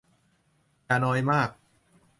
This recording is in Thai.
อย่านอยมาก